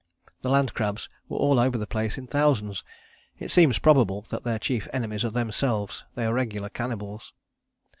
"The land crabs were all over the place in thousands; it seems probable that their chief enemies are themselves. They are regular cannibals.